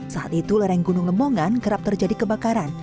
saat itu lereng gunung lemongan kerap terjadi kebakaran